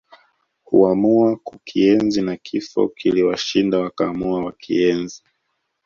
Huamua kukienzi na Kifo kiliwashinda wakaamua wakienzi